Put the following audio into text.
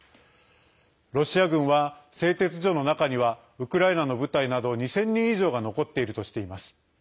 ロシア軍は製鉄所の中にはウクライナの部隊など２０００人以上が残っているとしています。